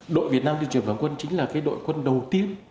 đội việt nam tuyên truyền giải phóng quân chính là đội quân đầu tiên